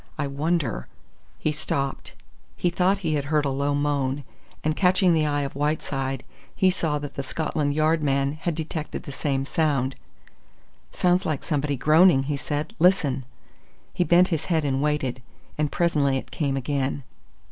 "I wonder " He stopped. He thought he had heard a low moan, and catching the eye of Whiteside, he saw that the Scotland Yard man had detected the same sound. "Sounds like somebody groaning," he said. "Listen!" He bent his head and waited, and presently it came again.